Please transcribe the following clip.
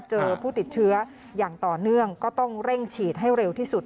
เจอผู้ติดเชื้ออย่างต่อเนื่องก็ต้องเร่งฉีดให้เร็วที่สุด